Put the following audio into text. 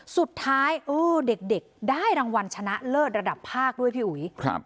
สุดท้ายเด็กได้รางวัลชนะเลิศระดับภาคด้วยพี่อุ๋ย